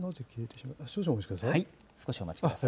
少々お待ちください。